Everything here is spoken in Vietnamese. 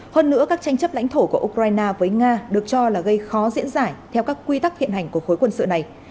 hơn nữa các tranh chấp lãnh thổ của ukraine với nga được cho là gây khó diễn giải theo các quy tắc hiện hành của khối quân sự này